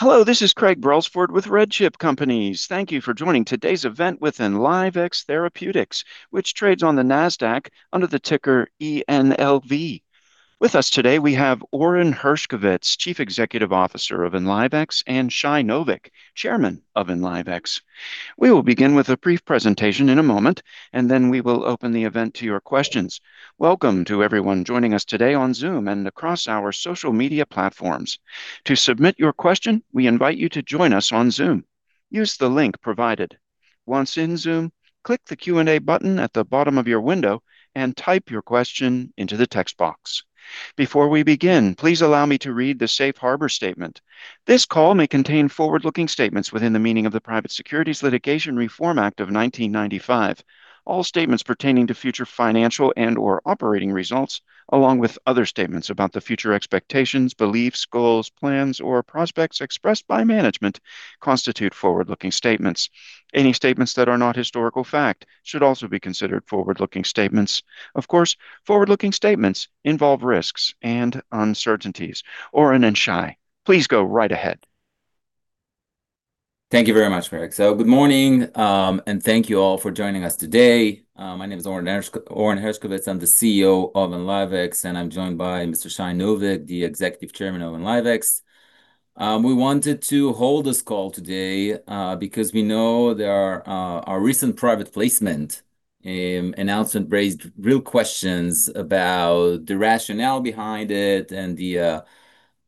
Hello, this is Craig Brelsford with RedChip Companies. Thank you for joining today's event with Enlivex Therapeutics, which trades on the Nasdaq under the ticker ENLV. With us today, we have Oren Hershkovitz, Chief Executive Officer of Enlivex, and Shai Novik, Chairman of Enlivex. We will begin with a brief presentation in a moment. Then we will open the event to your questions. Welcome to everyone joining us today on Zoom and across our social media platforms. To submit your question, we invite you to join us on Zoom. Use the link provided. Once in Zoom, click the Q&A button at the bottom of your window and type your question into the text box. Before we begin, please allow me to read the safe harbor statement. This call may contain forward-looking statements within the meaning of the Private Securities Litigation Reform Act of 1995. All statements pertaining to future financial and/or operating results, along with other statements about the future expectations, beliefs, goals, plans, or prospects expressed by management constitute forward-looking statements. Any statements that are not historical fact should also be considered forward-looking statements. Of course, forward-looking statements involve risks and uncertainties. Oren and Shai, please go right ahead. Thank you very much, Craig. Good morning, and thank you all for joining us today. My name is Oren Hershkovitz. I'm the CEO of Enlivex Therapeutics, and I'm joined by Mr. Shai Novik, the Executive Chairman of Enlivex Therapeutics. We wanted to hold this call today because we know our recent private placement announcement raised real questions about the rationale behind it and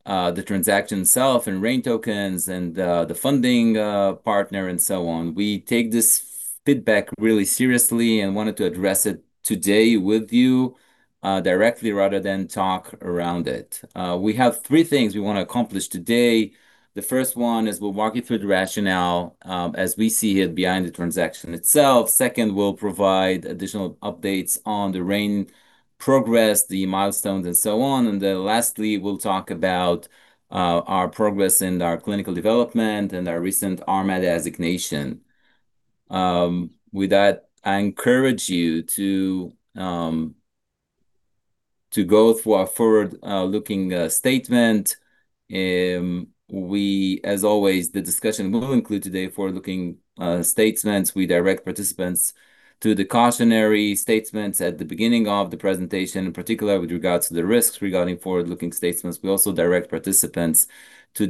the transaction itself and RAIN tokens and the funding partner and so on. We take this feedback really seriously and wanted to address it today with you directly, rather than talk around it. We have three things we want to accomplish today. The first one is we'll walk you through the rationale, as we see it, behind the transaction itself. Second, we'll provide additional updates on the RAIN progress, the milestones, and so on. Lastly, we'll talk about our progress in our clinical development and our recent RMAT designation. With that, I encourage you to go through our forward-looking statement. As always, the discussion will include today forward-looking statements. We direct participants to the cautionary statements at the beginning of the presentation, in particular with regards to the risks regarding forward-looking statements. We also direct participants to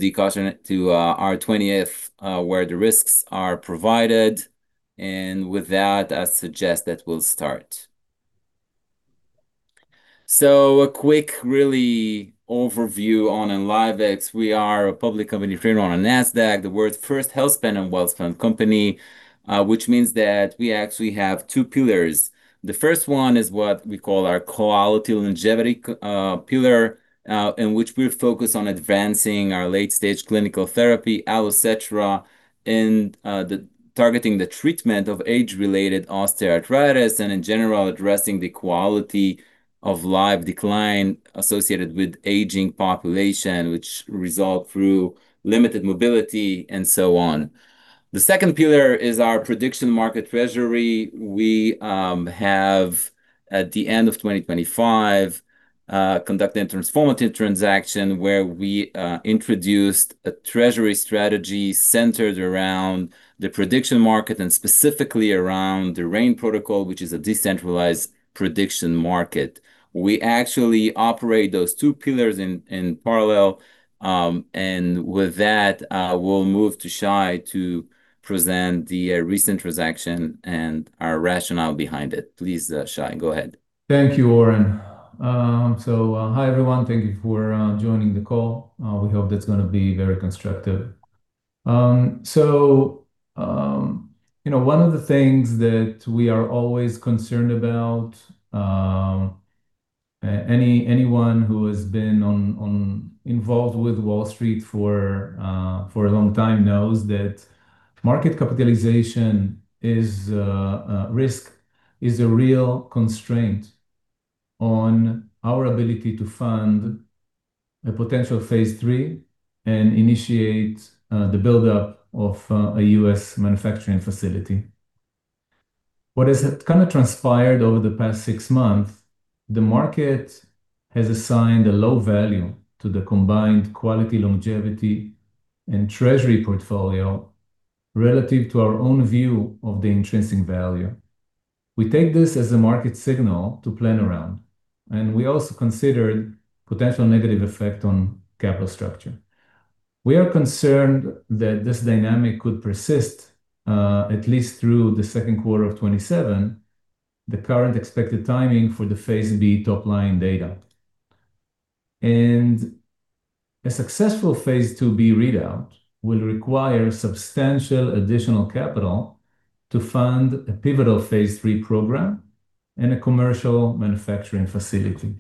our 20-F where the risks are provided. With that, I suggest that we'll start. A quick really overview on Enlivex Therapeutics. We are a public company traded on the Nasdaq, the world's first healthspan and wealthspan company, which means that we actually have two pillars. The first one is what we call our quality longevity pillar, in which we focus on advancing our late-stage clinical therapy, Allocetra, in targeting the treatment of age-related osteoarthritis and, in general, addressing the quality of life decline associated with aging population, which result through limited mobility and so on. The second pillar is our prediction-market treasury. We have, at the end of 2025, conducted a transformative transaction where we introduced a treasury strategy centered around the prediction market and specifically around the Rain protocol, which is a decentralized prediction market. We actually operate those two pillars in parallel. With that, we'll move to Shai to present the recent transaction and our rationale behind it. Please, Shai, go ahead. Thank you, Oren. Hi, everyone. Thank you for joining the call. We hope that it's going to be very constructive. One of the things that we are always concerned about, anyone who has been involved with Wall Street for a long time knows that market capitalization risk is a real constraint on our ability to fund a potential phase III and initiate the buildup of a U.S. manufacturing facility. What has kind of transpired over the past six months, the market has assigned a low value to the combined quality longevity and treasury portfolio relative to our own view of the intrinsic value. We take this as a market signal to plan around. We also consider potential negative effect on capital structure. We are concerned that this dynamic could persist at least through the second quarter of 2027, the current expected timing for the phase IIb top-line data. A successful phase IIb readout will require substantial additional capital to fund a pivotal phase III program and a commercial manufacturing facility.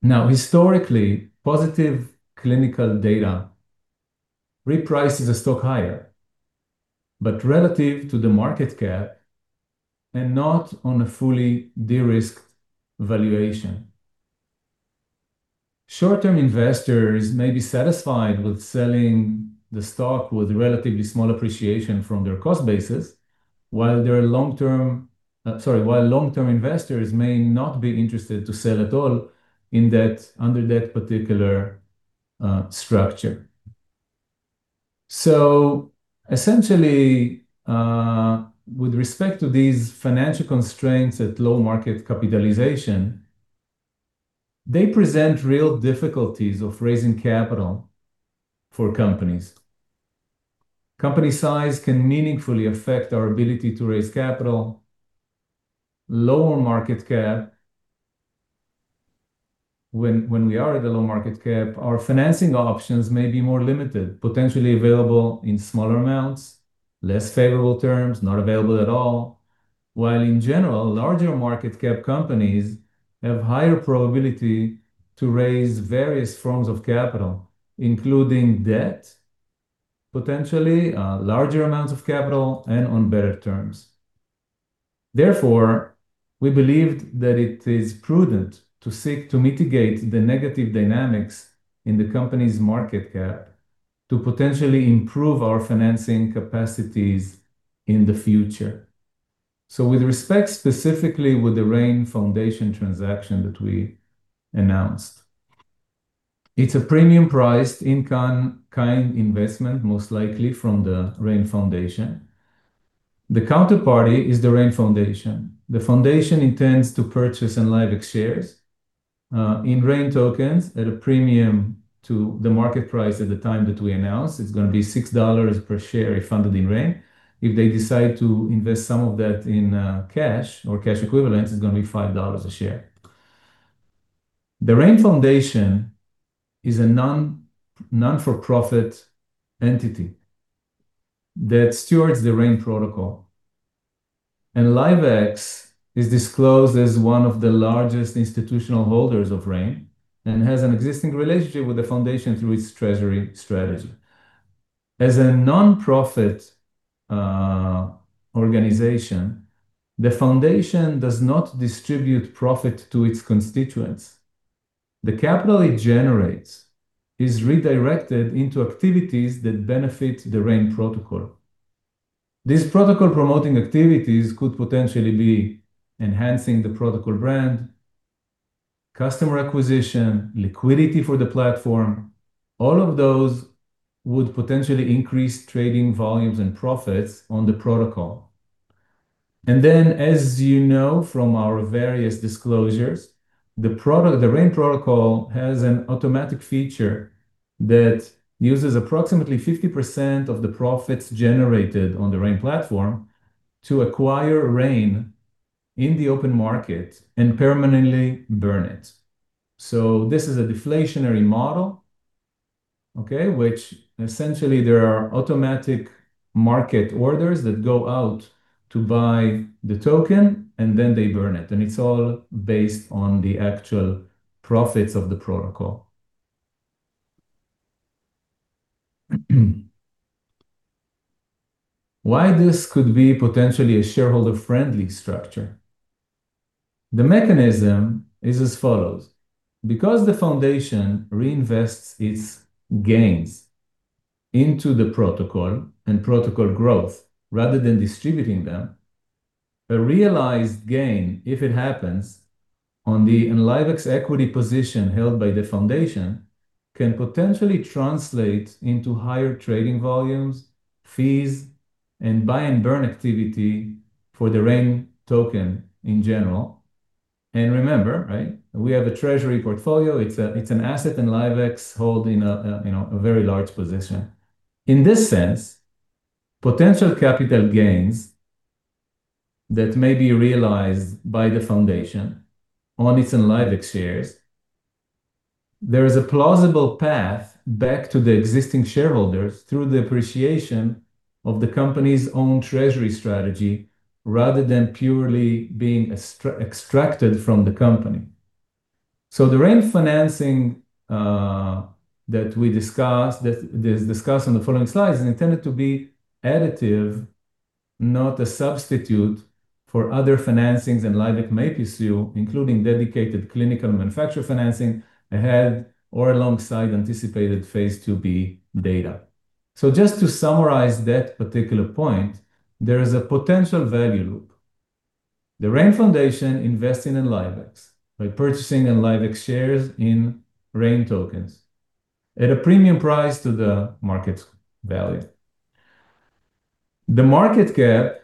Now historically, positive clinical data reprices a stock higher, but relative to the market cap and not on a fully de-risked valuation. Short-term investors may be satisfied with selling the stock with relatively small appreciation from their cost basis. While long-term investors may not be interested to sell at all under that particular structure, essentially, with respect to these financial constraints at low market capitalization, they present real difficulties of raising capital for companies. Company size can meaningfully affect our ability to raise capital. When we are at a low market cap, our financing options may be more limited, potentially available in smaller amounts, less favorable terms, not available at all. While in general, larger market cap companies have higher probability to raise various forms of capital, including debt, potentially, larger amounts of capital, and on better terms. Therefore, we believed that it is prudent to seek to mitigate the negative dynamics in the company's market cap to potentially improve our financing capacities in the future. With respect, specifically with the Rain Foundation transaction that we announced, it's a premium priced in-kind investment, most likely from the Rain Foundation. The counterparty is the Rain Foundation. The foundation intends to purchase Enlivex shares in RAIN tokens at a premium to the market price at the time that we announce. It's going to be $6 per share if funded in RAIN. If they decide to invest some of that in cash or cash equivalents, it's going to be $5 a share. The Rain Foundation is a non-profit entity that stewards the Rain protocol. Enlivex is disclosed as one of the largest institutional holders of RAIN and has an existing relationship with the foundation through its treasury strategy. As a non-profit organization, the foundation does not distribute profit to its constituents. The capital it generates is redirected into activities that benefit the Rain protocol. These protocol-promoting activities could potentially be enhancing the protocol brand, customer acquisition, liquidity for the platform. All of those would potentially increase trading volumes and profits on the protocol. As you know from our various disclosures, the Rain protocol has an automatic feature that uses approximately 50% of the profits generated on the Rain Platform to acquire RAIN in the open market and permanently burn it. This is a deflationary model, okay. Essentially there are automatic market orders that go out to buy the token, and then they burn it. It's all based on the actual profits of the protocol. Why this could be potentially a shareholder-friendly structure? The mechanism is as follows: because the foundation reinvests its gains into the protocol and protocol growth rather than distributing them, a realized gain, if it happens, on the Enlivex equity position held by the foundation, can potentially translate into higher trading volumes, fees, and buy and burn activity for the RAIN token in general. Remember, right? We have a treasury portfolio. It's an asset, and Enlivex holding a very large position. In this sense, potential capital gains that may be realized by the foundation on its Enlivex shares, there is a plausible path back to the existing shareholders through the appreciation of the company's own treasury strategy, rather than purely being extracted from the company. The RAIN financing that is discussed on the following slides is intended to be additive, not a substitute for other financings Enlivex may pursue, including dedicated clinical manufacturer financing ahead or alongside anticipated phase IIb data. Just to summarize that particular point, there is a potential value loop. The Rain Foundation investing in Enlivex by purchasing Enlivex shares in RAIN tokens at a premium price to the market value. The market cap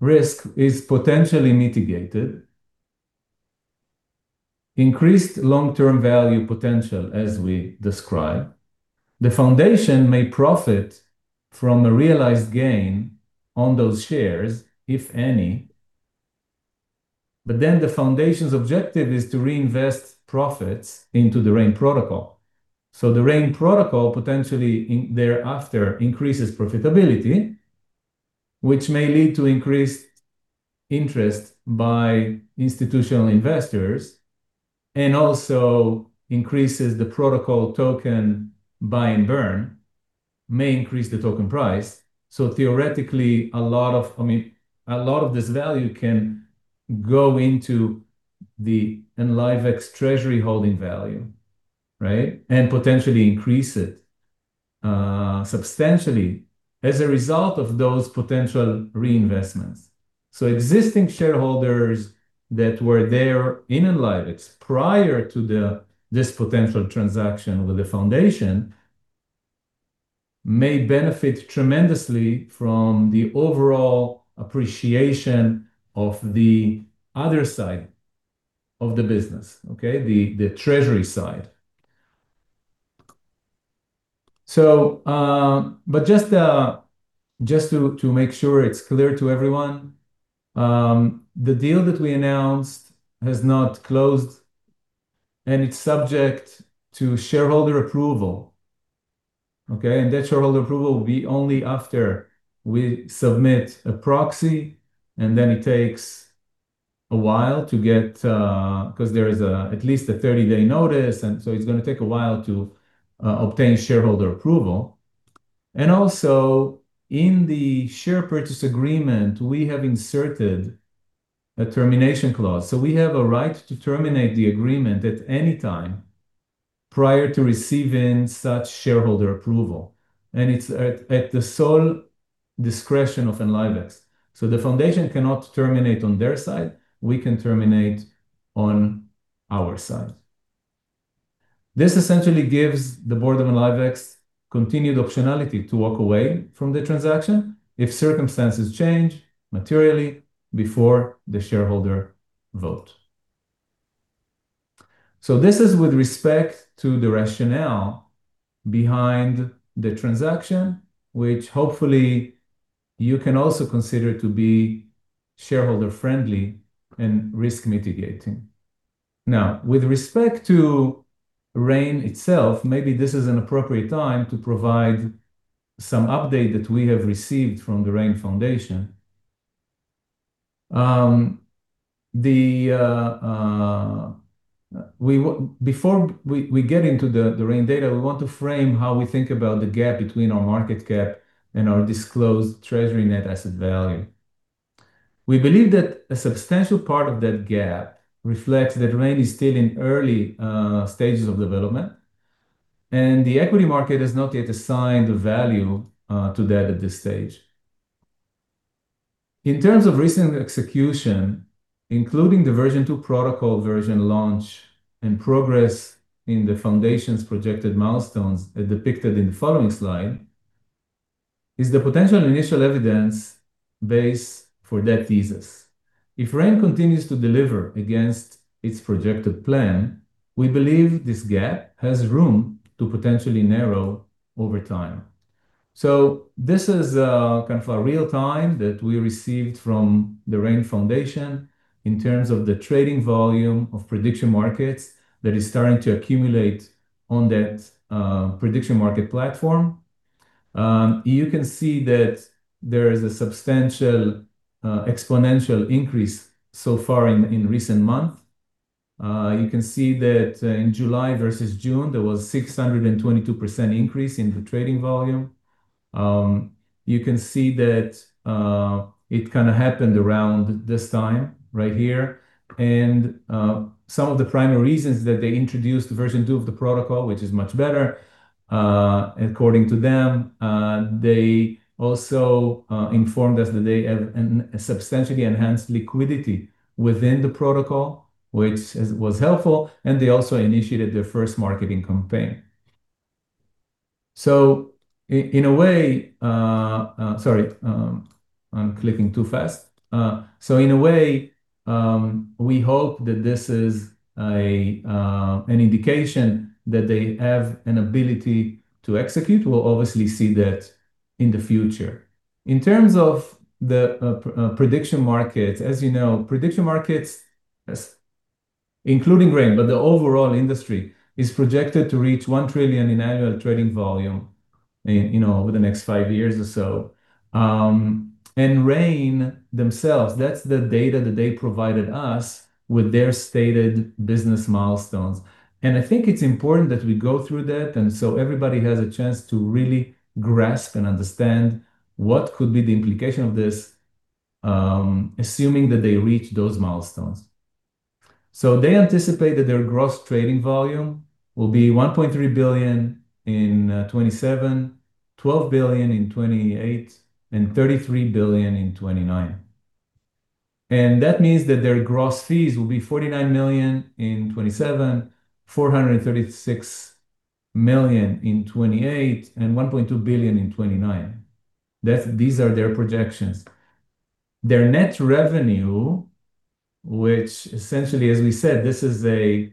risk is potentially mitigated. Increased long-term value potential, as we described. The foundation may profit from a realized gain on those shares, if any. The foundation's objective is to reinvest profits into the Rain protocol. The Rain protocol potentially thereafter increases profitability, which may lead to increased interest by institutional investors and also increases the protocol token buy and burn, may increase the token price. Theoretically, a lot of this value can go into the Enlivex treasury holding value. Right. Potentially increase it substantially as a result of those potential reinvestments. Existing shareholders that were there in Enlivex prior to this potential transaction with the foundation may benefit tremendously from the overall appreciation of the other side of the business, okay. The treasury side. Just to make sure it's clear to everyone, the deal that we announced has not closed, and it's subject to shareholder approval, okay. That shareholder approval will be only after we submit a proxy. Because there is at least a 30-day notice, it is going to take a while to obtain shareholder approval. In the share purchase agreement, we have inserted a termination clause. We have a right to terminate the agreement at any time prior to receiving such shareholder approval. It is at the sole discretion of Enlivex. The foundation cannot terminate on their side. We can terminate on our side. This essentially gives the board of Enlivex continued optionality to walk away from the transaction if circumstances change materially before the shareholder vote. This is with respect to the rationale behind the transaction, which hopefully you can also consider to be shareholder-friendly and risk mitigating. With respect to RAIN itself, maybe this is an appropriate time to provide some update that we have received from the Rain Foundation. Before we get into the RAIN data, we want to frame how we think about the gap between our market cap and our disclosed treasury net asset value. We believe that a substantial part of that gap reflects that RAIN is still in early stages of development, and the equity market has not yet assigned a value to that at this stage. In terms of recent execution, including the version 2 protocol version launch and progress in the foundation's projected milestones as depicted in the following slide, is the potential initial evidence base for that thesis. If RAIN continues to deliver against its projected plan, we believe this gap has room to potentially narrow over time. This is kind of a real-time that we received from the Rain Foundation in terms of the trading volume of prediction markets that is starting to accumulate on that prediction market platform. You can see that there is a substantial exponential increase so far in recent months. You can see that in July versus June, there was 622% increase in the trading volume. You can see that it kind of happened around this time right here. Some of the primary reasons that they introduced version 2 of the protocol, which is much better, according to them. They also informed us that they have a substantially enhanced liquidity within the protocol, which was helpful, and they also initiated their first marketing campaign. Sorry, I'm clicking too fast. In a way, we hope that this is an indication that they have an ability to execute. We'll obviously see that in the future. In terms of the prediction markets, as you know, prediction markets, including RAIN, but the overall industry is projected to reach $1 trillion in annual trading volume in over the next five years or so. RAIN themselves, that's the data that they provided us with their stated business milestones. I think it's important that we go through that, and so everybody has a chance to really grasp and understand what could be the implication of this, assuming that they reach those milestones. They anticipate that their gross trading volume will be $1.3 billion in 2027, $12 billion in 2028, and $33 billion in 2029. That means that their gross fees will be $49 million in 2027, $436 million in 2028, and $1.2 billion in 2029. These are their projections. Their net revenue, which essentially, as we said, this is a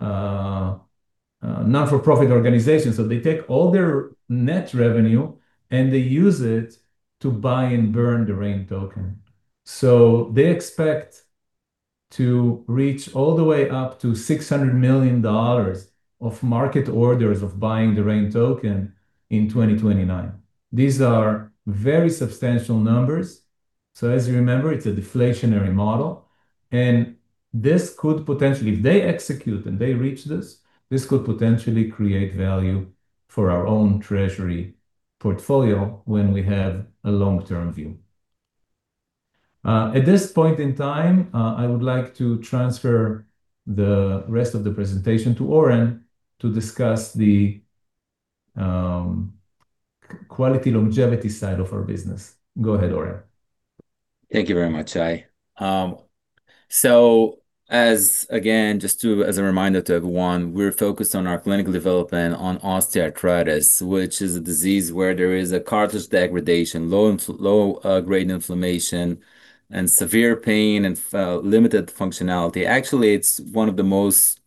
not-for-profit organization. They take all their net revenue, and they use it to buy and burn the RAIN token. They expect to reach all the way up to $600 million of market orders of buying the RAIN token in 2029. These are very substantial numbers. As you remember, it's a deflationary model, and this could potentially, if they execute and they reach this could potentially create value for our own treasury portfolio when we have a long-term view. At this point in time, I would like to transfer the rest of the presentation to Oren to discuss the quality longevity side of our business. Go ahead, Oren. Thank you very much, Shai. Again, just as a reminder to everyone, we're focused on our clinical development on osteoarthritis, which is a disease where there is a cartilage degradation, low-grade inflammation, and severe pain and limited functionality. Actually, it's one of the most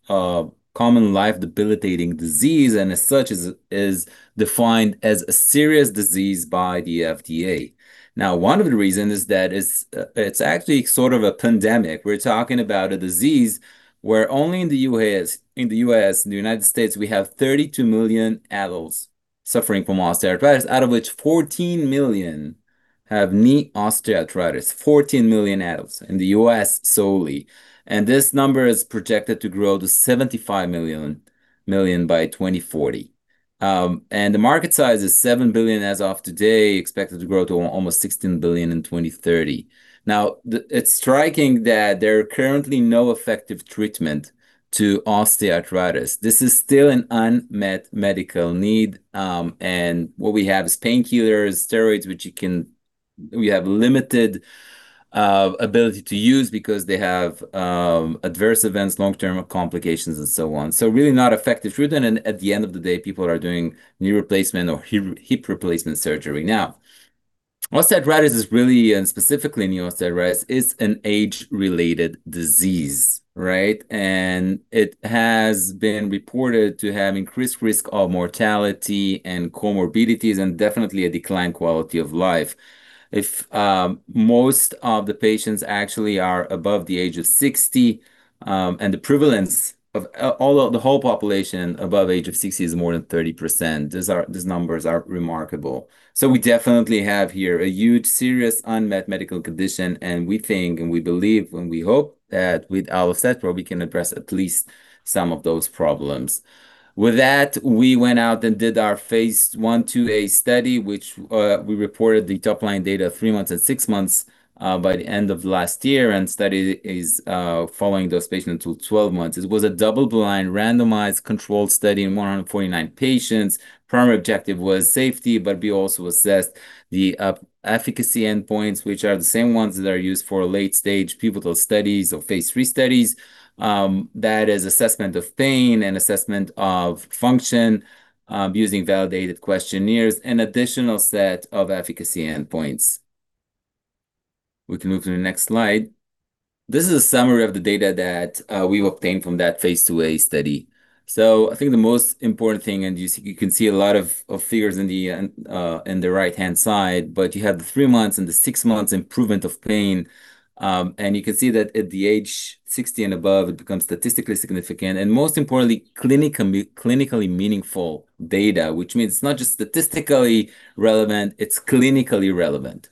common life-debilitating disease, and as such, is defined as a serious disease by the FDA. One of the reasons is that it's actually sort of a pandemic. We're talking about a disease where only in the U.S., in the United States, we have 32 million adults suffering from osteoarthritis, out of which 14 million have knee osteoarthritis. 14 million adults in the U.S. solely. This number is projected to grow to 75 million by 2040. The market size is $7 billion as of today, expected to grow to almost $16 billion in 2030. It's striking that there are currently no effective treatment to osteoarthritis. This is still an unmet medical need, and what we have is painkillers, steroids, which we have limited ability to use because they have adverse events, long-term complications, and so on. Really not effective treatment, and at the end of the day, people are doing knee replacement or hip replacement surgery. Osteoarthritis is really, and specifically knee osteoarthritis, is an age-related disease, right? It has been reported to have increased risk of mortality and comorbidities, and definitely a decline quality of life. If most of the patients actually are above the age of 60, and the prevalence of the whole population above age of 60 is more than 30%, these numbers are remarkable. We definitely have here a huge, serious unmet medical condition, and we think, and we believe, and we hope that with Allocetra we can address at least some of those problems. With that, we went out and did our phase I/IIa study, which we reported the top-line data three months and six months by the end of last year, and study is following those patients until 12 months. It was a double-blind, randomized, controlled study in 149 patients. Primary objective was safety, but we also assessed the efficacy endpoints, which are the same ones that are used for late-stage pivotal studies or phase III studies, that is assessment of pain and assessment of function using validated questionnaires and additional set of efficacy endpoints. We can move to the next slide. This is a summary of the data that we obtained from that phase IIa study. I think the most important thing, you can see a lot of figures in the right-hand side, but you have the three months and the six months improvement of pain. You can see that at the age 60 and above, it becomes statistically significant, and most importantly, clinically meaningful data, which means it's not just statistically relevant, it's clinically relevant.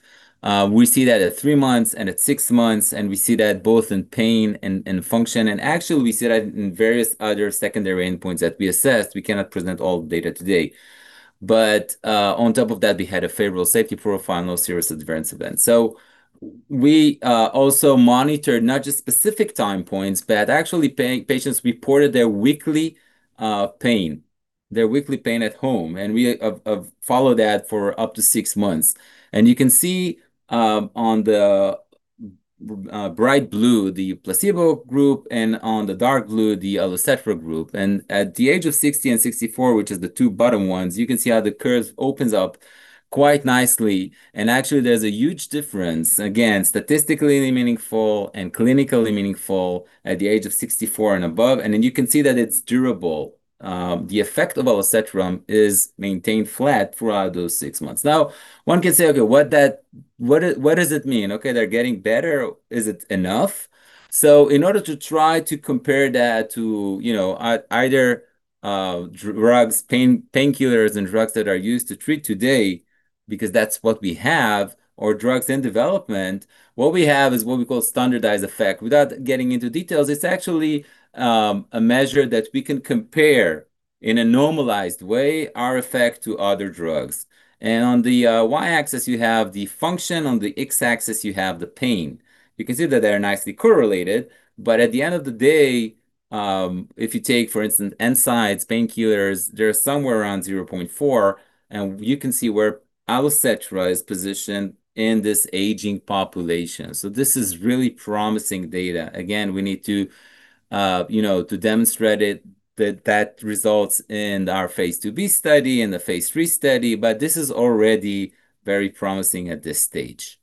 We see that at three months and at six months, and we see that both in pain and function, and actually, we see that in various other secondary endpoints that we assessed. We cannot present all data today. On top of that, we had a favorable safety profile, no serious adverse events. We also monitored not just specific time points, but actually patients reported their weekly pain at home, and we followed that for up to six months. You can see on the bright blue, the placebo group, and on the dark blue, the Allocetra group. At the age of 60 and 64, which is the two bottom ones, you can see how the curve opens up quite nicely. Actually, there's a huge difference, again, statistically meaningful and clinically meaningful at the age of 64 and above. You can see that it's durable. The effect of Allocetra is maintained flat throughout those six months. One can say, "Okay, what does it mean? Okay, they're getting better. Is it enough?" In order to try to compare that to either drugs, painkillers and drugs that are used to treat today, because that's what we have, or drugs in development, what we have is what we call standardized effect. Without getting into details, it's actually a measure that we can compare, in a normalized way, our effect to other drugs. On the Y-axis, you have the function, on the X-axis, you have the pain. You can see that they are nicely correlated, but at the end of the day, if you take, for instance, NSAIDs, painkillers, they're somewhere around 0.4, and you can see where Allocetra is positioned in this aging population. This is really promising data. Again, we need to demonstrate that that results in our phase IIb study and the phase III study, but this is already very promising at this stage.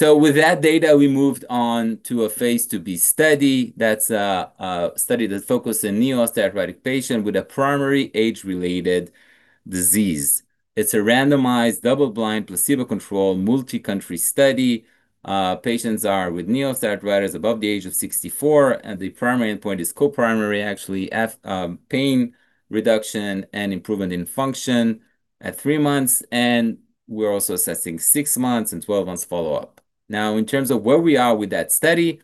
With that data, we moved on to a phase IIb study. That's a study that focused in knee osteoarthritic patient with a primary age-related disease. It's a randomized, double-blind, placebo-controlled, multi-country study. Patients are with knee osteoarthritis above the age of 64, and the primary endpoint is co-primary, actually, pain reduction and improvement in function at three months, and we're also assessing six months and 12 months follow-up. In terms of where we are with that study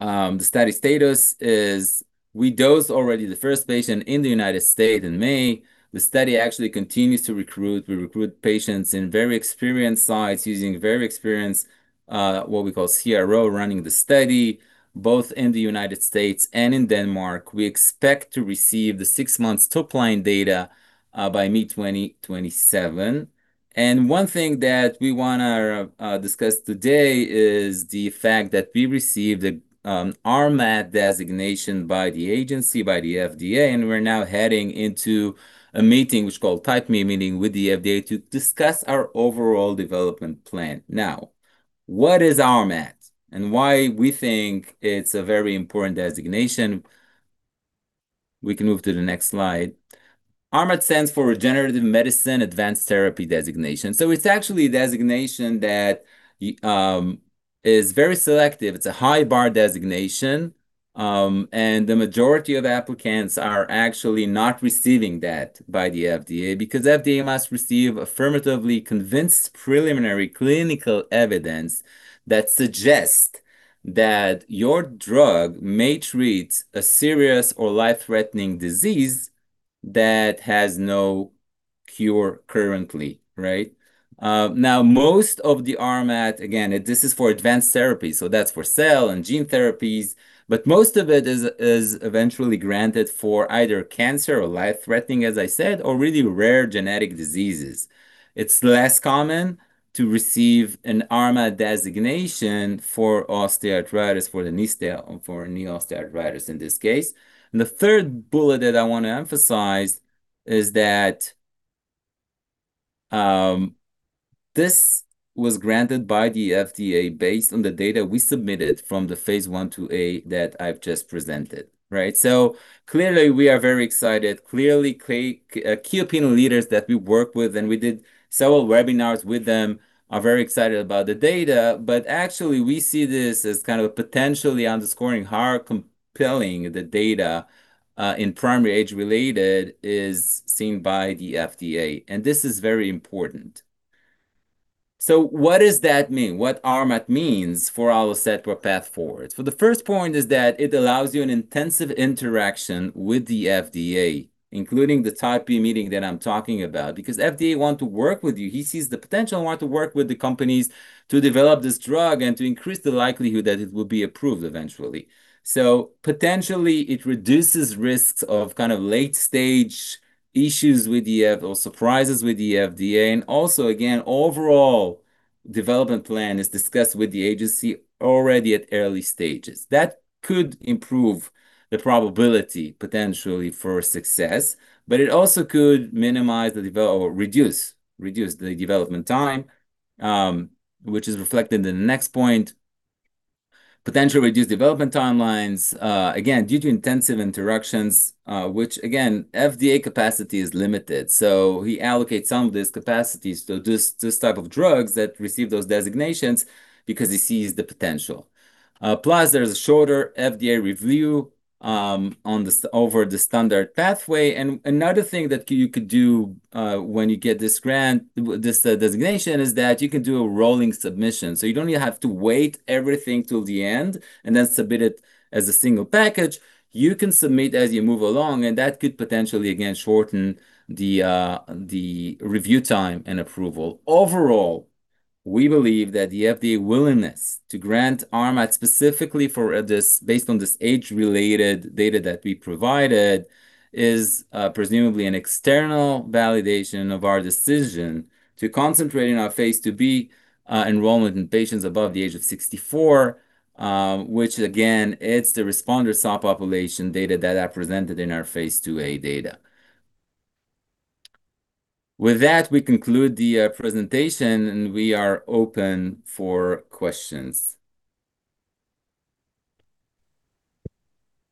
The study status is we dosed already the first patient in the U.S. in May. The study actually continues to recruit. We recruit patients in very experienced sites using very experienced, what we call CRO, running the study, both in the U.S. and in Denmark. We expect to receive the six months top-line data by mid-2027. One thing that we want to discuss today is the fact that we received an RMAT designation by the agency, by the FDA, and we're now heading into a meeting, which is called Type B meeting with the FDA, to discuss our overall development plan. What is RMAT and why we think it's a very important designation? We can move to the next slide. RMAT stands for Regenerative Medicine Advanced Therapy designation. It's actually a designation that is very selective. It's a high-bar designation, the majority of applicants are actually not receiving that by the FDA, because FDA must receive affirmatively convinced preliminary clinical evidence that suggests that your drug may treat a serious or life-threatening disease that has no cure currently, right? Most of the RMAT, again, this is for advanced therapy, that's for cell and gene therapies, most of it is eventually granted for either cancer or life-threatening, as I said, or really rare genetic diseases. It's less common to receive an RMAT designation for osteoarthritis, for knee osteoarthritis in this case. The third bullet that I want to emphasize is that this was granted by the FDA based on the data we submitted from the phase I/IIa that I've just presented. Right? Clearly, we are very excited. Clearly, key opinion leaders that we work with, we did several webinars with them, are very excited about the data. Actually, we see this as kind of potentially underscoring how compelling the data in primary age-related is seen by the FDA, this is very important. What does that mean? What RMAT means for Allocetra path forward? The first point is that it allows you an intensive interaction with the FDA, including the Type B meeting that I'm talking about, because FDA want to work with you. He sees the potential, want to work with the companies to develop this drug and to increase the likelihood that it will be approved eventually. Potentially, it reduces risks of kind of late-stage issues or surprises with the FDA. Also, again, overall development plan is discussed with the agency already at early stages. That could improve the probability, potentially, for success. It also could minimize or reduce the development time, which is reflected in the next point. Potentially reduce development timelines, again, due to intensive interactions. Again, FDA capacity is limited, he allocates some of this capacity to this type of drugs that receive those designations because he sees the potential. Plus, there's a shorter FDA review over the standard pathway. Another thing that you could do when you get this designation is that you can do a rolling submission. You don't have to wait everything till the end and then submit it as a single package. You can submit as you move along, that could potentially, again, shorten the review time and approval. Overall, we believe that the FDA willingness to grant RMAT specifically based on this age-related data that we provided is presumably an external validation of our decision to concentrate in our phase IIb enrollment in patients above the age of 64. Again, it's the responder subpopulation data that are presented in our phase IIa data. With that, we conclude the presentation, we are open for questions.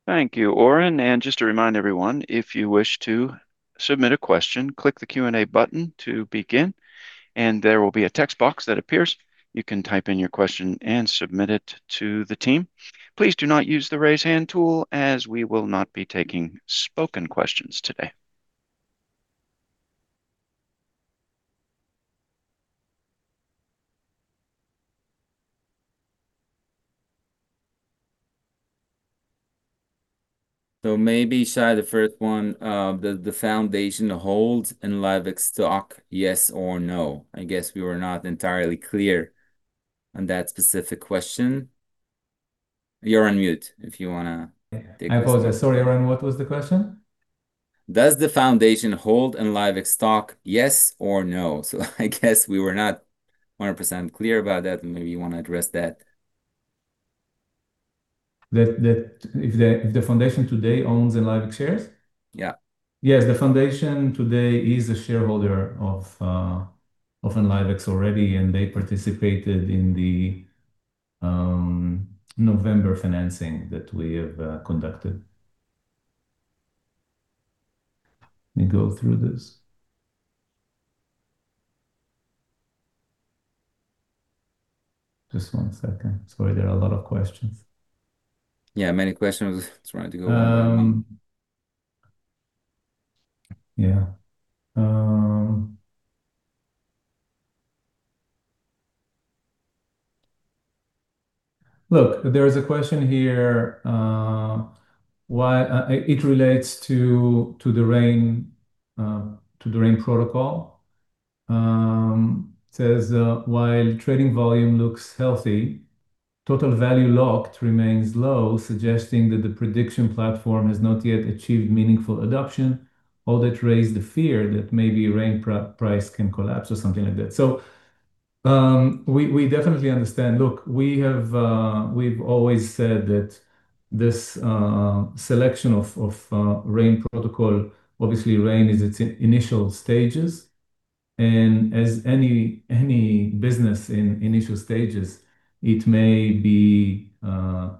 Thank you, Oren. Just to remind everyone, if you wish to submit a question, click the Q&A button to begin, and there will be a text box that appears. You can type in your question and submit it to the team. Please do not use the raise hand tool, as we will not be taking spoken questions today. Maybe, Shai, the first one, does the foundation hold Enlivex stock, yes or no? I guess we were not entirely clear on that specific question. You're on mute, if you want to take this one. I apologize. Sorry, Oren, what was the question? Does the foundation hold Enlivex stock, yes or no? I guess we were not 100% clear about that, and maybe you want to address that. If the foundation today owns Enlivex shares? Yeah. Yes. The foundation today is a shareholder of Enlivex already. They participated in the November financing that we have conducted. Let me go through this. Just one second. Sorry, there are a lot of questions. Yeah, many questions. Trying to go one by one. Yeah. Look, there is a question here. It relates to the Rain protocol. It says, "While trading volume looks healthy, total value locked remains low, suggesting that the prediction platform has not yet achieved meaningful adoption, or that raised the fear that maybe RAIN price can collapse," or something like that. We definitely understand. Look, we've always said that this selection of Rain protocol, obviously Rain is at its initial stages. As any business in initial stages, it may be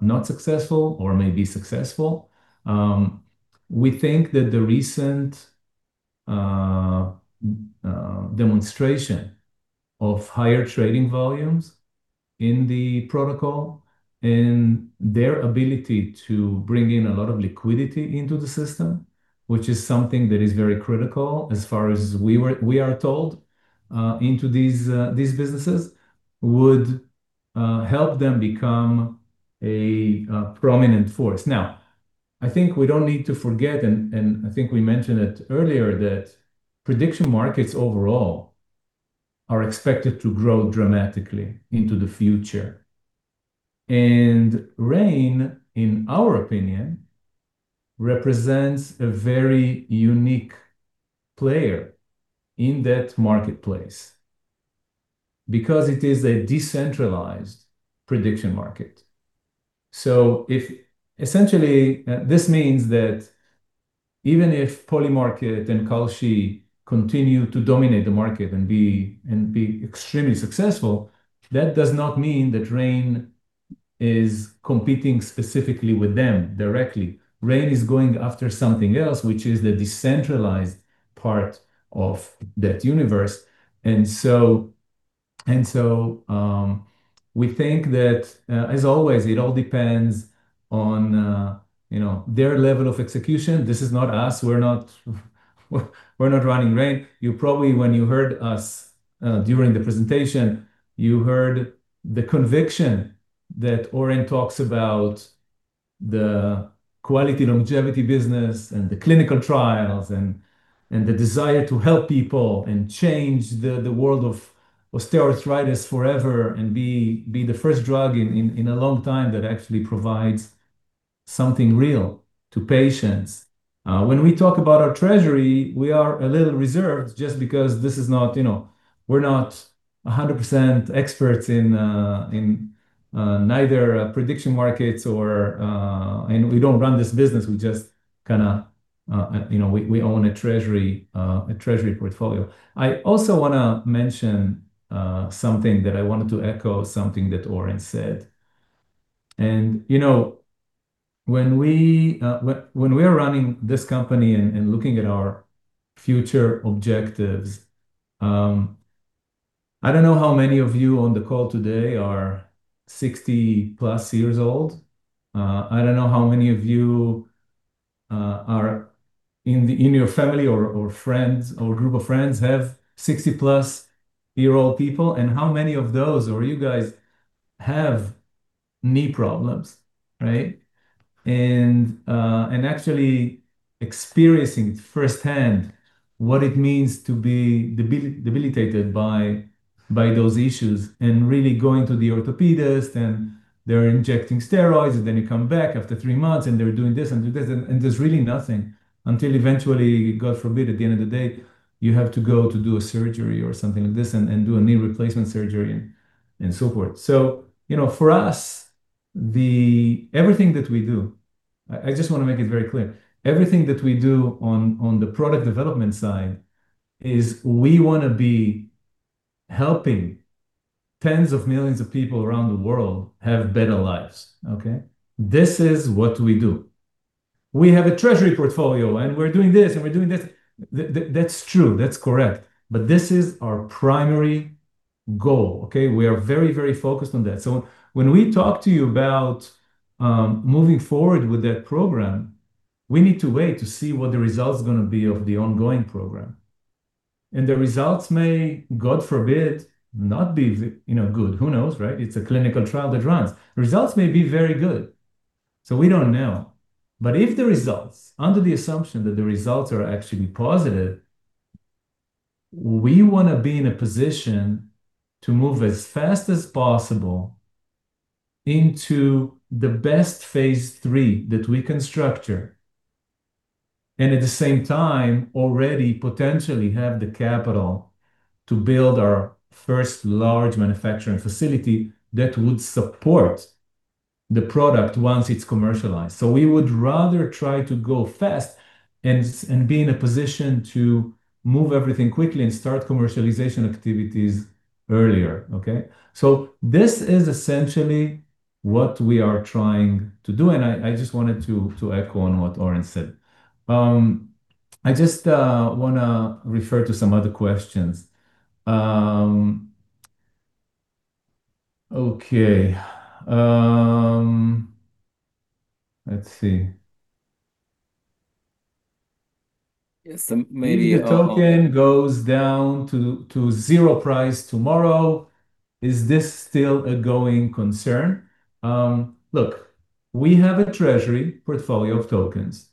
not successful or may be successful. We think that the recent demonstration of higher trading volumes in the protocol, their ability to bring in a lot of liquidity into the system, which is something that is very critical as far as we are told into these businesses, would help them become a prominent force. I think we don't need to forget, and I think we mentioned it earlier, that prediction markets overall are expected to grow dramatically into the future. Rain, in our opinion, represents a very unique player in that marketplace because it is a decentralized prediction market. Essentially, this means that even if Polymarket and Kalshi continue to dominate the market and be extremely successful, that does not mean that Rain is competing specifically with them directly. Rain is going after something else, which is the decentralized part of that universe. We think that, as always, it all depends on their level of execution. This is not us. We're not running Rain. Probably when you heard us during the presentation, you heard the conviction that Oren talks about the quality longevity business and the clinical trials and the desire to help people and change the world of osteoarthritis forever and be the first drug in a long time that actually provides something real to patients. When we talk about our treasury, we are a little reserved just because we're not 100% experts in neither prediction markets or, and we don't run this business. We own a treasury portfolio. I also want to mention something that I wanted to echo, something that Oren said. When we are running this company and looking at our future objectives, I don't know how many of you on the call today are 60+ years old. I don't know how many of you, in your family or friends or group of friends, have 60+ year old people, and how many of those or you guys have knee problems, right? Actually experiencing firsthand what it means to be debilitated by those issues and really going to the orthopedist, and they're injecting steroids, and then you come back after three months and they're doing this and doing this, and there's really nothing, until eventually, God forbid, at the end of the day, you have to go to do a surgery or something like this and do a knee replacement surgery and so forth. For us, everything that we do, I just want to make it very clear, everything that we do on the product development side is we want to be helping tens of millions of people around the world have better lives, okay? This is what we do. We have a treasury portfolio, and we're doing this, and we're doing this. That's true. That's correct, but this is our primary goal, okay? We are very, very focused on that. When we talk to you about moving forward with that program, we need to wait to see what the results are going to be of the ongoing program. The results may, God forbid, not be good. Who knows, right? It's a clinical trial that runs. The results may be very good. We don't know. Under the assumption that the results are actually positive, we want to be in a position to move as fast as possible into the best phase III that we can structure, and at the same time, already potentially have the capital to build our first large manufacturing facility that would support the product once it's commercialized. We would rather try to go fast and be in a position to move everything quickly and start commercialization activities earlier, okay. This is essentially what we are trying to do, and I just wanted to echo on what Oren said. I just want to refer to some other questions. Okay. Let's see Yes. Maybe the token goes down to zero price tomorrow. Is this still a going concern? Look, we have a treasury portfolio of tokens.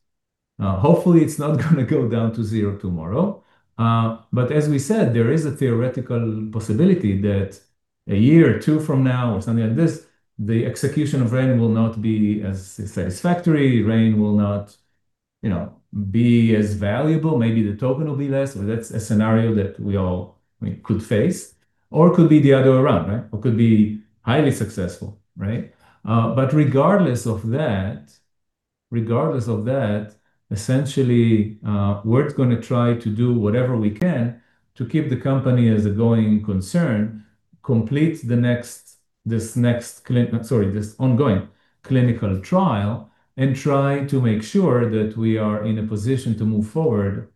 Hopefully, it's not going to go down to zero tomorrow. As we said, there is a theoretical possibility that a year or two from now, or something like this, the execution of RAIN will not be as satisfactory. RAIN will not be as valuable. Maybe the token will be less. That's a scenario that we all could face. It could be the other way around. It could be highly successful. Regardless of that, essentially, we're going to try to do whatever we can to keep the company as a going concern, complete this next, sorry, this ongoing clinical trial, and try to make sure that we are in a position to move forward,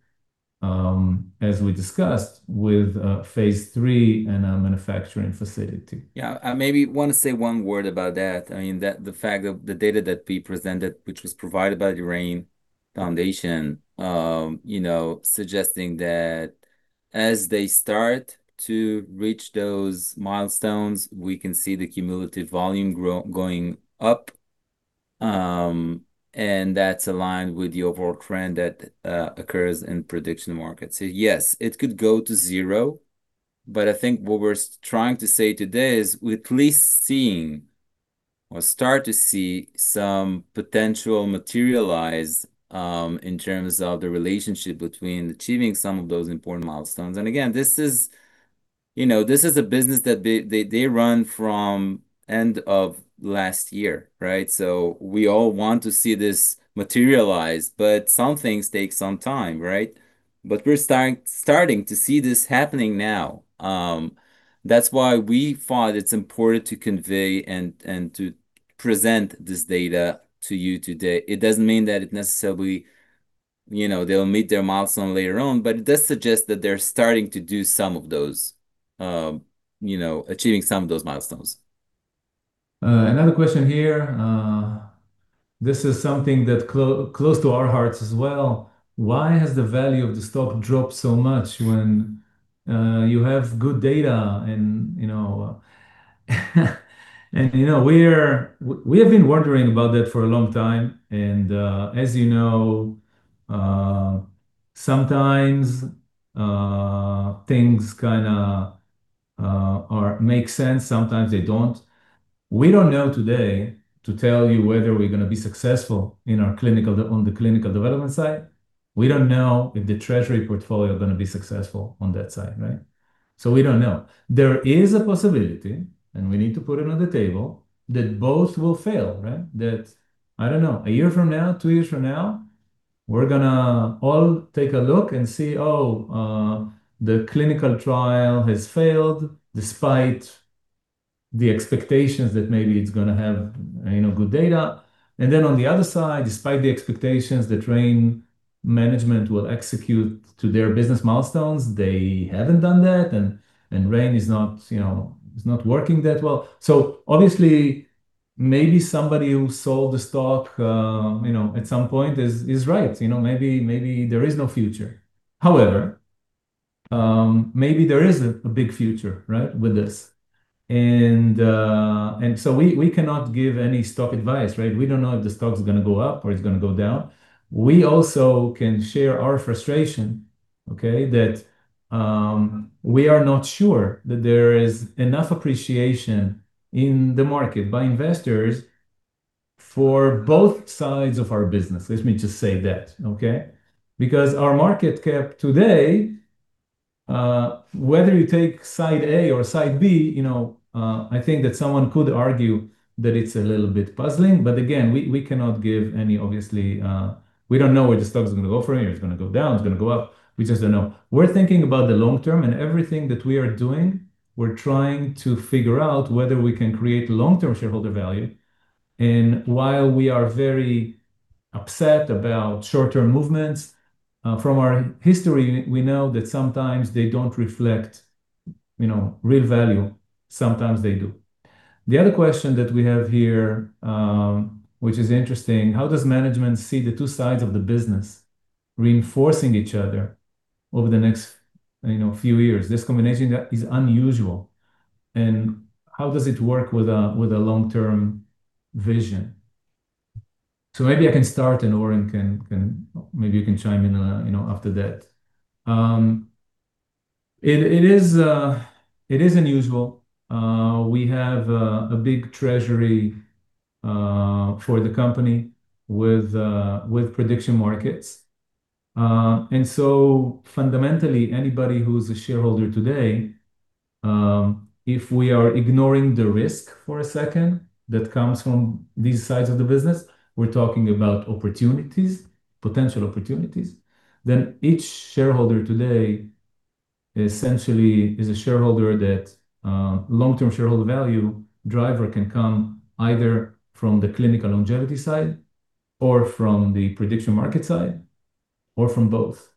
as we discussed with phase III and a manufacturing facility. Yeah. I maybe want to say one word about that. The fact of the data that we presented, which was provided by the Rain Foundation, suggesting that as they start to reach those milestones, we can see the cumulative volume going up, and that's aligned with the overall trend that occurs in prediction markets. Yes, it could go to zero, but I think what we're trying to say today is we're at least seeing, or start to see some potential materialize in terms of the relationship between achieving some of those important milestones. Again, this is a business that they run from end of last year. We all want to see this materialize, but some things take some time. We're starting to see this happening now. That's why we thought it's important to convey and to present this data to you today. It doesn't mean that it necessarily they'll meet their milestone later on, but it does suggest that they're starting to do some of those, achieving some of those milestones. Another question here. This is something that close to our hearts as well. Why has the value of the stock dropped so much when you have good data? We have been wondering about that for a long time, as you know, sometimes things kind of make sense, sometimes they don't. We don't know today to tell you whether we're going to be successful on the clinical development side. We don't know if the treasury portfolio going to be successful on that side. We don't know. There is a possibility, we need to put it on the table, that both will fail. That, I don't know, a year from now, two years from now, we're going to all take a look and see, oh, the clinical trial has failed despite the expectations that maybe it's going to have good data. On the other side, despite the expectations that RAIN management will execute to their business milestones, they haven't done that, and RAIN is not working that well. Obviously, maybe somebody who sold the stock at some point is right. Maybe there is no future. However, maybe there is a big future with this. We cannot give any stock advice. We don't know if the stock's going to go up or it's going to go down. We also can share our frustration, okay, that we are not sure that there is enough appreciation in the market by investors for both sides of our business. Let me just say that. Our market cap today, whether you take Site A or Site B, I think that someone could argue that it's a little bit puzzling, but again, we cannot give any. We don't know where the stock's going to go from here. It's going to go down, it's going to go up. We just don't know. We're thinking about the long term. Everything that we are doing, we're trying to figure out whether we can create long-term shareholder value. While we are very upset about short-term movements, from our history, we know that sometimes they don't reflect real value. Sometimes they do. The other question that we have here, which is interesting, how does management see the two sides of the business reinforcing each other over the next few years? This combination is unusual. How does it work with a long-term vision? Maybe I can start. Maybe Oren you can chime in after that. It is unusual. We have a big treasury for the company with prediction markets. Fundamentally, anybody who's a shareholder today, if we are ignoring the risk for a second that comes from these sides of the business, we're talking about opportunities, potential opportunities. Each shareholder today essentially is a shareholder that long-term shareholder value driver can come either from the clinical longevity side or from the prediction market side, or from both.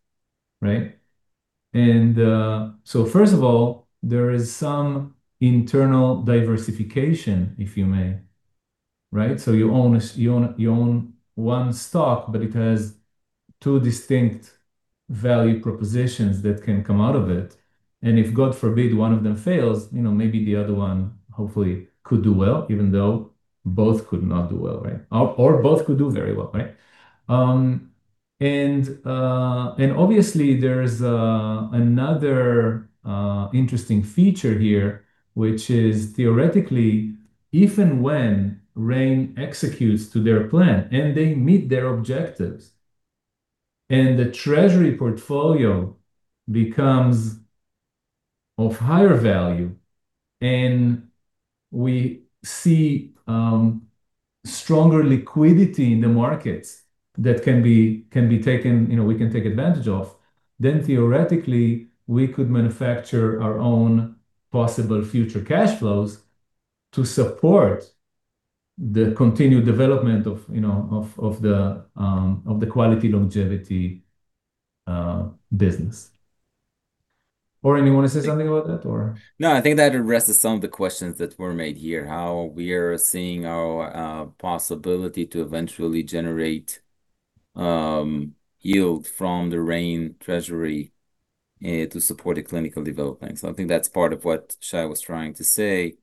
First of all, there is some internal diversification, if you may. Right? You own one stock. It has two distinct value propositions that can come out of it. If, God forbid, one of them fails, maybe the other one hopefully could do well, even though both could not do well, right? Both could do very well, right? Obviously there's another interesting feature here, which is theoretically, if and when Rain executes to their plan, they meet their objectives. The treasury portfolio becomes of higher value. We see stronger liquidity in the markets that we can take advantage of. Theoretically, we could manufacture our own possible future cash flows to support the continued development of the quality longevity business. Oren, you want to say something about that, or? No, I think that addresses some of the questions that were made here, how we are seeing our possibility to eventually generate yield from the Rain treasury, to support the clinical development. I think that's part of what Shai was trying to say.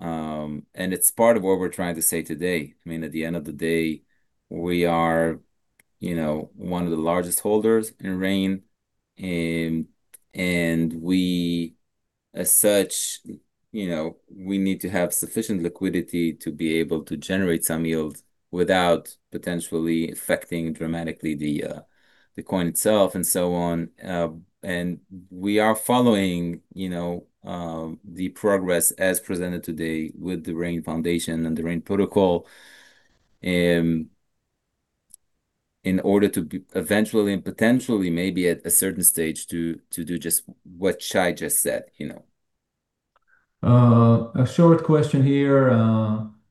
It's part of what we're trying to say today. I mean, at the end of the day, we are one of the largest holders in Rain. We as such, we need to have sufficient liquidity to be able to generate some yield without potentially affecting dramatically the coin itself and so on. We are following the progress as presented today with the Rain Foundation and the Rain Protocol, in order to eventually, potentially, maybe at a certain stage, to do just what Shai just said. A short question here.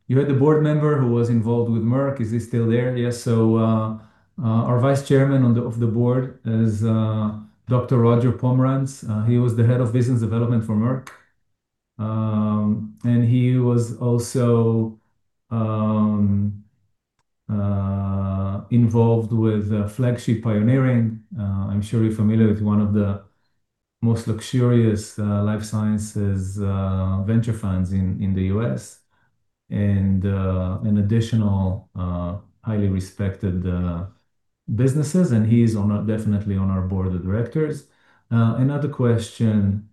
You had the board member who was involved with Merck. Is he still there? Yes. Our Vice Chairman of the Board is Dr. Roger J. Pomerantz. He was the head of business development for Merck. He was also involved with Flagship Pioneering. I'm sure you're familiar with one of the most luxurious life sciences venture funds in the U.S. An additional highly respected businesses, and he's definitely on our board of directors. Another question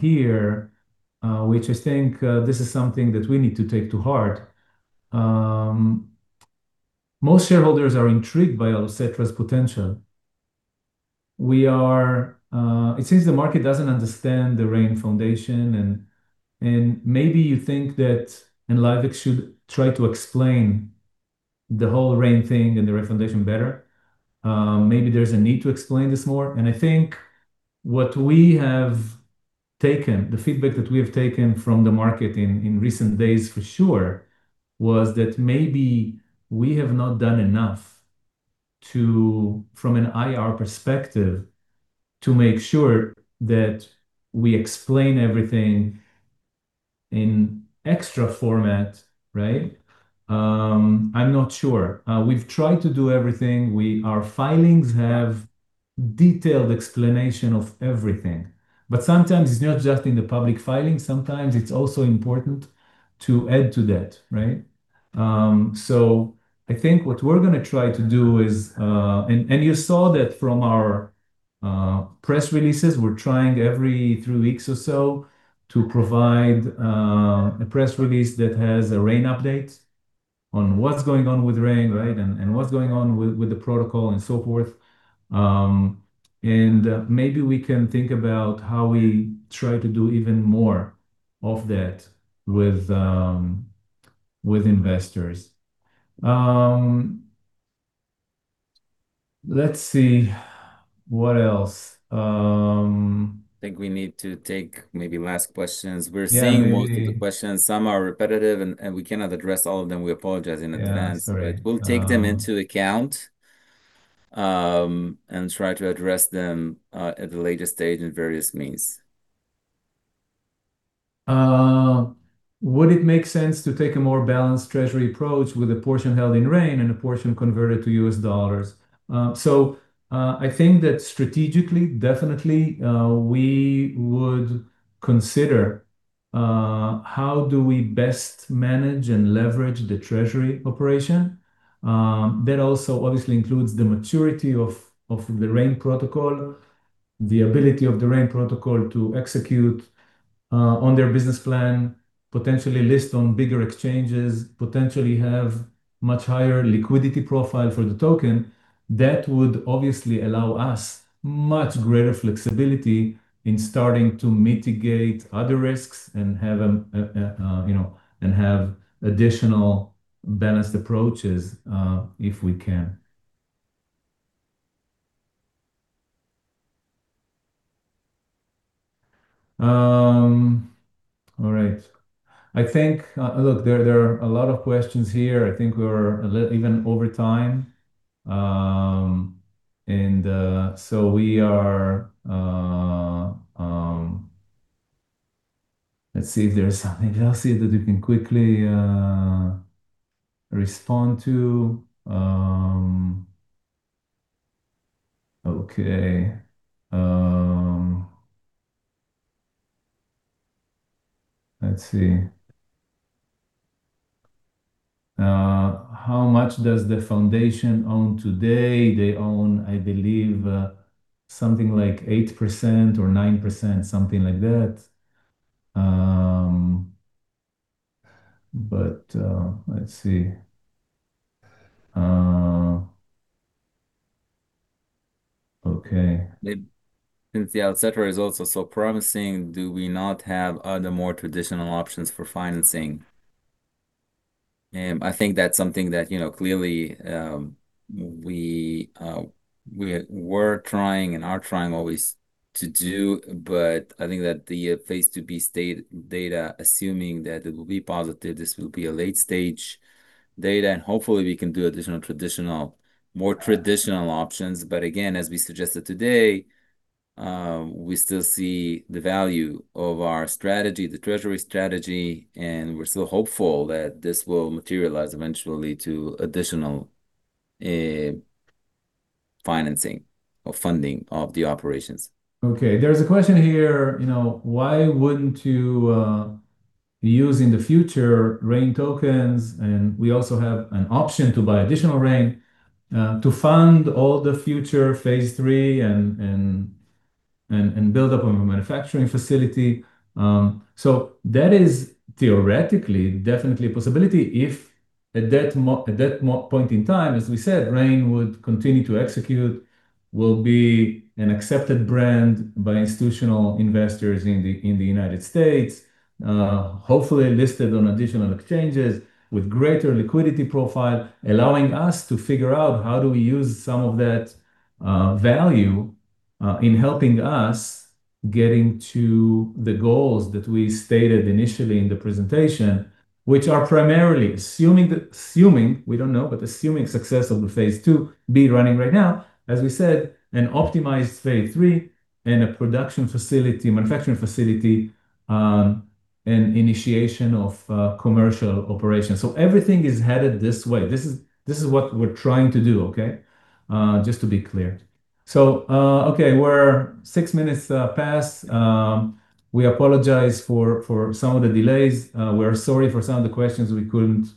here, which I think this is something that we need to take to heart. Most shareholders are intrigued by Allocetra's potential. It seems the market doesn't understand the Rain Foundation and maybe you think that Enlivex should try to explain the whole RAIN thing and the Rain Foundation better. Maybe there's a need to explain this more. I think what we have taken, the feedback that we have taken from the market in recent days for sure, was that maybe we have not done enough from an IR perspective, to make sure that we explain everything in extra format, right? I'm not sure. We've tried to do everything. Our filings have detailed explanation of everything. Sometimes it's not just in the public filing. Sometimes it's also important to add to that, right? I think what we're going to try to do is and you saw that from our press releases. We're trying every three weeks or so to provide a press release that has a RAIN update on what's going on with RAIN, right, and what's going on with the protocol and so forth. Maybe we can think about how we try to do even more of that with investors. Let's see. What else? I think we need to take maybe last questions. Yeah, maybe. We're seeing most of the questions. Some are repetitive, and we cannot address all of them. We apologize in advance. Yeah, sorry. We'll take them into account, and try to address them at the latest date in various means. Would it make sense to take a more balanced treasury approach with a portion held in RAIN and a portion converted to US dollars? I think that strategically, definitely we would consider how do we best manage and leverage the treasury operation. That also obviously includes the maturity of the Rain protocol, the ability of the Rain protocol to execute on their business plan, potentially list on bigger exchanges, potentially have much higher liquidity profile for the token. That would obviously allow us much greater flexibility in starting to mitigate other risks and have additional balanced approaches if we can. All right. Look, there are a lot of questions here. I think we're even over time. Let's see if there's something else here that we can quickly respond to. Let's see. How much does the foundation own today? They own, I believe, something like 8% or 9%, something like that. Let's see. Since the Allocetra is also so promising, do we not have other more traditional options for financing? I think that's something that clearly we're trying and are trying always to do. I think that the phase IIb data, assuming that it will be positive, this will be a late stage data, and hopefully we can do more traditional options. Again, as we suggested today, we still see the value of our strategy, the treasury strategy, and we're still hopeful that this will materialize eventually to additional financing or funding of the operations. There's a question here, why wouldn't you use in the future RAIN tokens, and we also have an option to buy additional RAIN, to fund all the future phase III and build up a manufacturing facility? That is theoretically definitely a possibility if at that point in time, as we said, RAIN would continue to execute, will be an accepted brand by institutional investors in the U.S., hopefully listed on additional exchanges with greater liquidity profile, allowing us to figure out how do we use some of that value in helping us getting to the goals that we stated initially in the presentation, which are primarily, assuming, we don't know, but assuming success of the phase IIb running right now, as we said, an optimized phase III and a production facility, manufacturing facility, and initiation of commercial operations. Everything is headed this way. This is what we're trying to do, okay? Just to be clear. Okay, we're six minutes past. We apologize for some of the delays. We're sorry for some of the questions we couldn't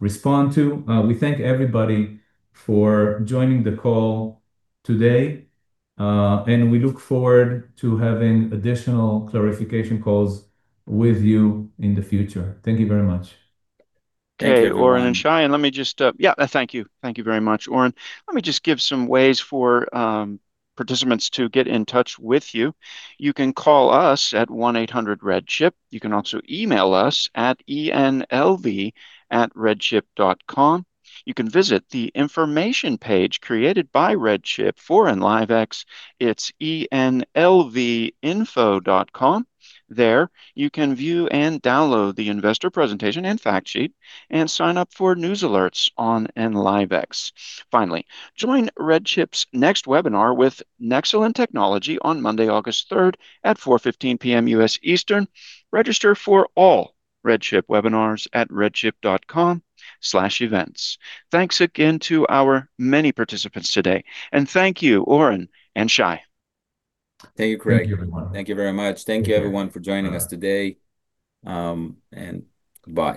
respond to. We thank everybody for joining the call today, and we look forward to having additional clarification calls with you in the future. Thank you very much. Thank you everyone. Okay, Oren and Shai, thank you. Thank you very much, Oren. Let me just give some ways for participants to get in touch with you. You can call us at 1-800-RED-CHIP. You can also email us at ENLV@redchip.com. You can visit the information page created by RedChip for Enlivex, it's enlvinfo.com. There, you can view and download the investor presentation and fact sheet and sign up for news alerts on Enlivex. Finally, join RedChip's next webinar with Nexalin Technology on Monday, August 3rd at 4:15 P.M. U.S. Eastern. Register for all RedChip webinars at redchip.com/events. Thanks again to our many participants today and thank you Oren and Shai. Thank you, Craig. Thank you everyone. Thank you very much. Thank you everyone for joining us today, and goodbye.